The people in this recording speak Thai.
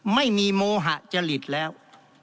ไม่มีโมหะจริตแล้ว